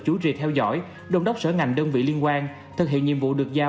chủ trì theo dõi đồng đốc sở ngành đơn vị liên quan thực hiện nhiệm vụ được giao